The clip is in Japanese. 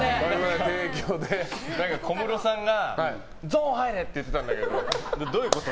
小室さんがゾーン入れ！って言ってたんだけどどういうこと？